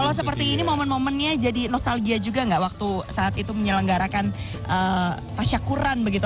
kalau seperti ini momen momennya jadi nostalgia juga nggak waktu saat itu menyelenggarakan pasyakuran begitu